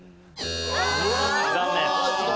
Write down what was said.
残念。